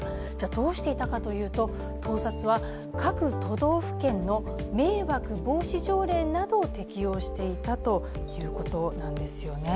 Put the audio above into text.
どうしていたかというと盗撮は各都道府県の迷惑防止条例などを適用していたということなんですよね。